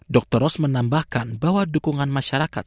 dr ros menambahkan bahwa dukungan masyarakat